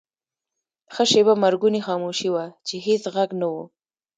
ښه شیبه مرګونې خاموشي وه، چې هېڅ ږغ نه و.